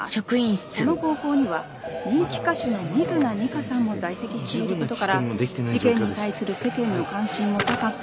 この高校には人気歌手の瑞奈ニカさんも在籍していることから事件に対する世間の関心も高く。